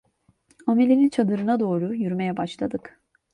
Amelenin çadırına doğru yürümeye başladık.